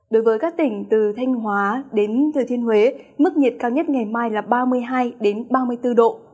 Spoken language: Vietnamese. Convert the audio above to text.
đối với các tỉnh từ thanh hóa đến thừa thiên huế mức nhiệt cao nhất ngày mai là ba mươi hai ba mươi bốn độ